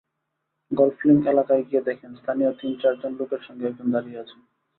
Golf link এলাকায় গিয়ে দেখেন, স্থানীয় তিন-চারজন লোকের সঙ্গে একজন দাঁড়িয়ে আছেন।